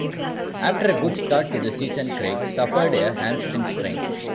After a good start to the season Craig suffered a hamstring strain.